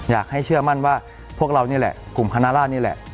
อยากให้เชื่อมั่นว่าพวกเรานี่แหละกลุ่มคณะราชนี่แหละ